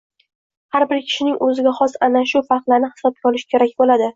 har bir kishining o‘ziga xos ana shu farqlarini hisobga olish kerak bo‘ladi.